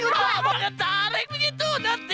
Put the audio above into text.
kamu harus pulang kamu harus pulang